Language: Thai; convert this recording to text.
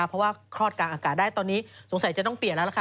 เพราะว่าคลอดกลางอากาศได้ตอนนี้สงสัยจะต้องเปลี่ยนแล้วล่ะค่ะ